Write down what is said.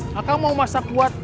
kakak mau masak buat